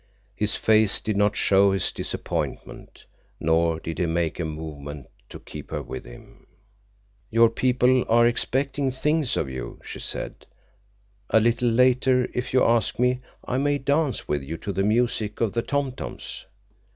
His face did not show his disappointment, nor did he make a movement to keep her with him. "Your people are expecting things of you," she said. "A little later, if you ask me, I may dance with you to the music of the tom toms."